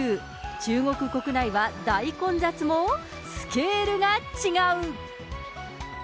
中国国内は大混雑もスケールが違う。